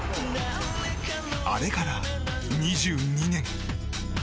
あれから２２年。